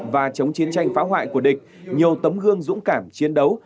và chống chiến tranh phá hoại của địch nhiều tấm gương dũng cảm chiến đấu